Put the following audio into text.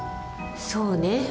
そうね